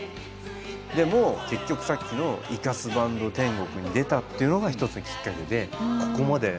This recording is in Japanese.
でも結局さっきの「いかすバンド天国！」に出たっていうのが一つのきっかけでここまでのし上がるって。